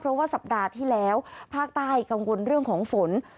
เพราะว่าสัปดาห์ที่แล้วภาคใต้กังวลเรื่องของฝน